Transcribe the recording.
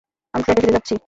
আমি ফ্ল্যাটে ফিরে যাচ্ছি।